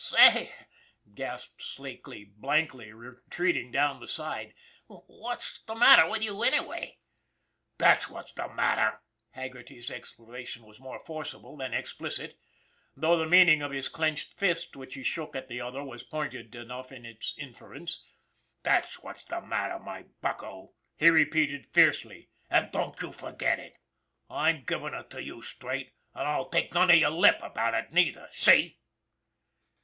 " Say," gasped Slakely blankly, retreating down the aisle, " what's the matter with you, anyway ?"''' That's what's the matter !" Haggerty's explana tion was more forcible than explicit, though the mean ing of his clenched fist which he shook at the other was pointed enough in its inference. " That's what's the matter, my bucko," he repeated fiercely, " an' don't you forget it! I'm givin' it to you straight, an' I'll take none of your lip about it neither ! See